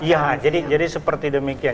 ya jadi seperti demikian